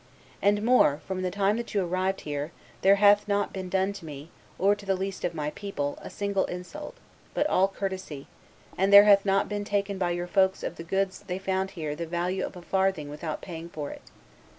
And more, from the time that you arrived here, there hath not been done to me, or to the least of my people, a single insult, but all courtesy; and there hath not been taken by your folks of the goods they found here the value of a farthing without paying for it.